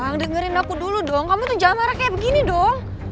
sayang dengerin aku dulu dong kamu tuh jangan marah kayak begini dong